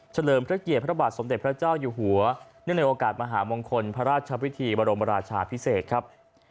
เลิมพระเกียรติพระบาทสมเด็จพระเจ้าอยู่หัวเนื่องในโอกาสมหามงคลพระราชพิธีบรมราชาพิเศษครับ